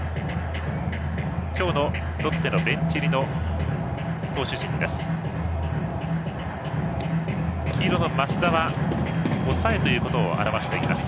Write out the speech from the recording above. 今日のロッテのベンチ入りの投手陣です。